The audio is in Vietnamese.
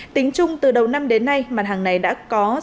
tính chung từ đầu năm đến nay mặt hàng này đã có